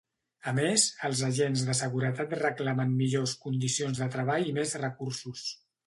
A més, els agents de seguretat reclamen millors condicions de treball i més recursos.